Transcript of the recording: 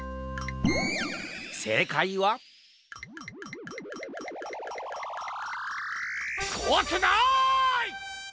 せいかいは？こわくない！